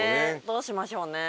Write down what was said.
どうしましょうね。